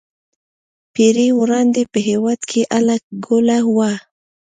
پېړۍ وړاندې په هېواد کې اله ګوله وه.